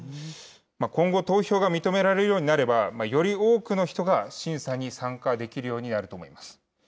今後、投票が認められるようになれば、より多くの人が審査に参加できるようになると思います。